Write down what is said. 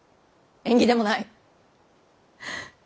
縁起でもない！